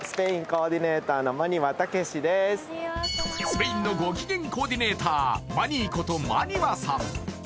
スペインのゴキゲンコーディネーターマニーこと馬庭さん